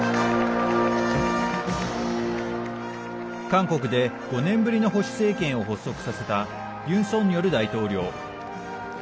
韓国で５年ぶりの保守政権を発足させたユン・ソンニョル大統領。